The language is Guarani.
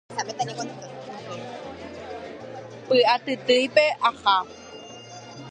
py'atytýipe aha